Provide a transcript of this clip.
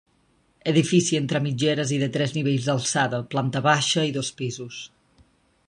Edifici entre mitgeres i de tres nivells d'alçada, planta baixa i dos pisos.